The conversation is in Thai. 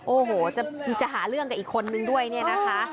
โอ้โหจะหาเรื่องกับอีกคนนึงด้วยเนี่ยนะคะ